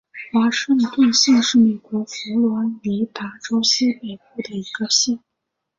华盛顿县是美国佛罗里达州西北部的一个县。